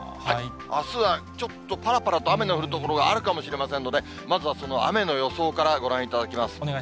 あすはちょっと、ぱらぱらと雨の降る所があるかもしれませんので、まずはその雨の予想からご覧いただきます。